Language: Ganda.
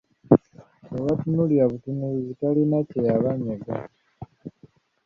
Yabatunuulira butunuulizi talina kyeyabanyega.